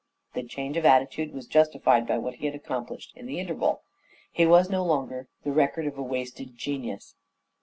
The change of attitude was justified by what he had accomplished in the interval. His was no longer the record of a wasted genius.